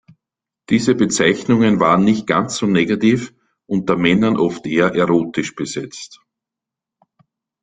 Diese Bezeichnungen waren nicht ganz so negativ, unter Männern oft eher erotisch besetzt.